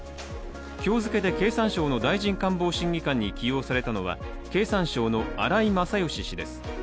今日付けで経産省の大臣官房審議官に起用されたのは経産省の荒井勝喜氏です。